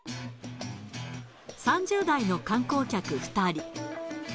３０代の観光客２人。